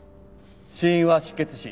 死因は失血死。